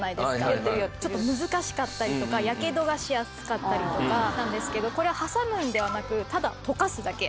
ちょっと難しかったりとかヤケドがしやすかったりとかなんですけどこれは挟むのではなくただとかすだけ。